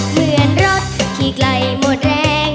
เหมือนรถที่ไกลหมดแรง